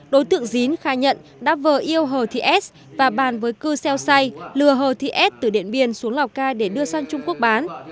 đối tượng dín khai nhận đã vờ yêu hờ thị s và bàn với cư xeo say lừa hờ thị s từ điện biên xuống lào cai để đưa sang trung quốc bán